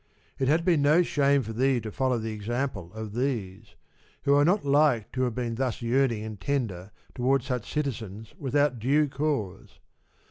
It had been no shame for thee to follow the example of these; who are not like to have been thus yearning and tender towards such citizens without due cause.